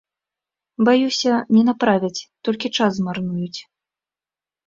Баюся, не направяць, толькі час змарнуюць.